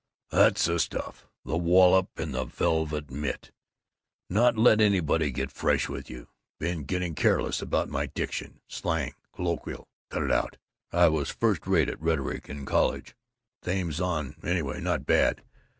"That's the stuff. The wallop in the velvet mitt. Not let anybody get fresh with you. Been getting careless about my diction. Slang. Colloquial. Cut it out. I was first rate at rhetoric in college. Themes on Anyway, not bad.